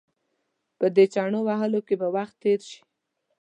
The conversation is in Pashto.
په دې چنو وهلو کې به وخت تېر شي.